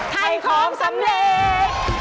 ไทยของสำเร็จ